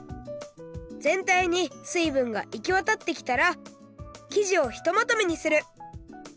ぜんたいに水ぶんがいきわたってきたら生地をひとまとめにする。